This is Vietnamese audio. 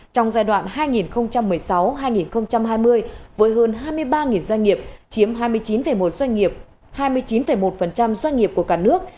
trong giai đoạn hai nghìn một mươi sáu hai nghìn hai mươi với hơn hai mươi ba doanh nghiệp chiếm hai mươi chín một doanh nghiệp của cả nước